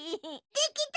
できた！